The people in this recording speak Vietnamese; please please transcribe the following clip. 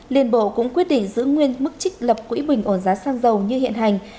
liên bộ cũng quyết định giữ nguyên mức trích lập quỹ bình ổn giá xăng dầu như hiện hành